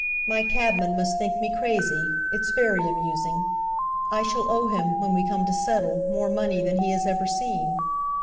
My cabman must think me crazy it's very amusing; I shall owe him, when we come to settle, more money than he has ever seen.